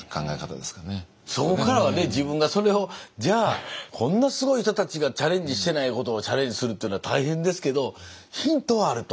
そこからはね自分がそれをじゃあこんなすごい人たちがチャレンジしてないことをチャレンジするっていうのは大変ですけどヒントはあると思いますね。